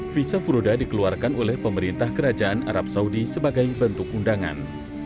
visa furoda dikeluarkan oleh pemerintah kerajaan arab saudi sebagai bentuk undangan